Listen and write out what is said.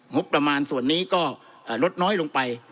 งบประมาณส่วนนี้ก็ลดน้อยลงไป